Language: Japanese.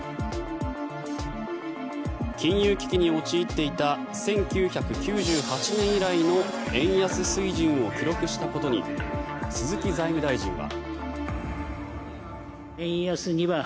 金融危機に陥っていた１９９８年以来の円安水準を記録したことに鈴木財務大臣は。